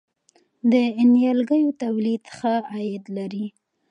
د نیالګیو تولید ښه عاید لري؟